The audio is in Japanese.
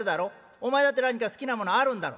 お前だって何か好きなものあるんだろ」。